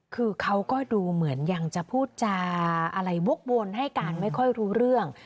คือเขาก็ดูเหมือนยังจะพูดจาอะไรวกวนให้การไม่ค่อยรู้เรื่อง